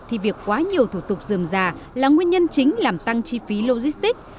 thì việc quá nhiều thủ tục dườm già là nguyên nhân chính làm tăng chi phí logistics